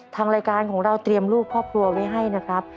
ทางรายการของเราเตรียมรูปครอบครัวไว้ให้นะครับ